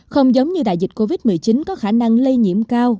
không giống như đại dịch covid một mươi chín có khả năng lây nhiễm cao